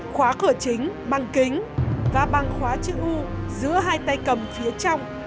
khóa cửa chính bằng kính và băng khóa chữ u giữa hai tay cầm phía trong